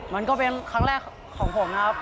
มันก็เป็นครั้งแรกของผมนะครับ